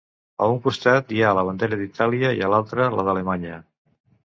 A un costat hi ha la bandera d'Itàlia i a l'altre, la d’Alemanya.